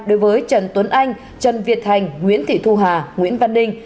đối với trần tuấn anh trần việt thành nguyễn thị thu hà nguyễn văn ninh